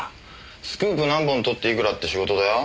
スクープ何本撮っていくらって仕事だよ。